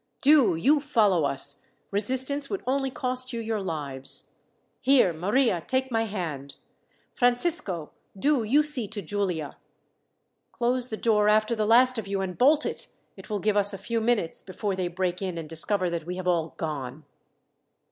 "Do you follow us. Resistance would only cost you your lives. "Here, Maria, take my hand. "Francisco, do you see to Giulia. "Close the door after the last of you, and bolt it. It will give us a few minutes, before they break in and discover that we have all gone.